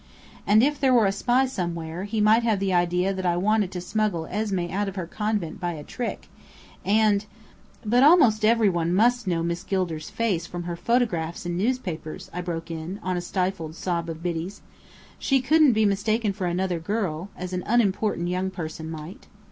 And if there were a spy anywhere, he might have the idea that I wanted to smuggle Esmé out of her convent by a trick, and " "But almost every one must know Miss Gilder's face from her photographs in newspapers," I broke in, on a stifled sob of Biddy's. "She couldn't be mistaken for another girl, as an unimportant young person might."